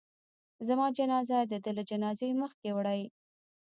زما جنازه د ده له جنازې مخکې وړئ.